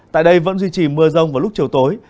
tại đây vẫn duy trì mưa rông vào lúc chiều tối